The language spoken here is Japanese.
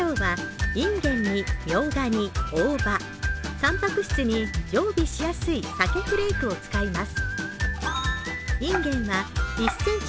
たんぱく質に常備しやすい、さけフレークを使います。